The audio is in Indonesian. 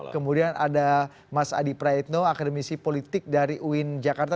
kemudian ada mas adi praetno akademisi politik dari uin jakarta